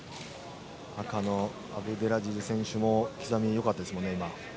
赤のアブデラジズ選手も刻みがよかったですもんね。